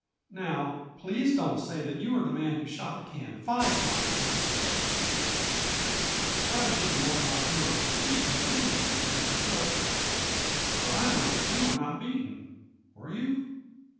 "Now please don't say that you are the man who shot the can five times," she pleaded. "I shouldn't want my hero to be beaten at anything he undertook. But I know that you were not beaten. Were you?"